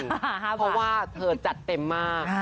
เพราะว่าเธอจัดเต็มมาก